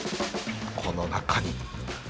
この中に。